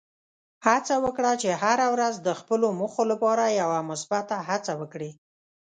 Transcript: هڅه وکړه چې هره ورځ د خپلو موخو لپاره یوه مثبته هڅه وکړې.